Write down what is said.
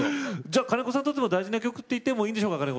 じゃあ金子さんにとっても大事な曲って言ってもいいんでしょうか？